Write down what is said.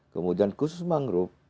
kemudian khusus mangrove